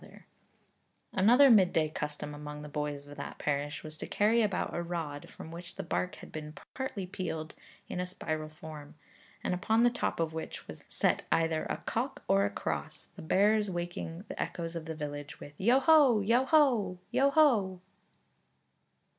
Another May day custom among the boys of that parish, was to carry about a rod, from which the bark had been partly peeled in a spiral form, and upon the top of which was set either a cock or a cross, the bearers waking the echoes of the village with 'Yo ho! yo ho! yo ho!'